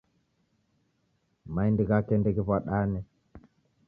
Maindi ghake ndeghiw'adane.